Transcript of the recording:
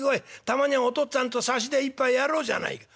たまにはお父っつぁんと差しで一杯やろうじゃないか。